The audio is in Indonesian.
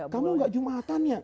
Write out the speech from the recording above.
kamu enggak jumatannya